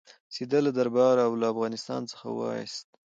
سید له درباره او له افغانستان څخه وایست.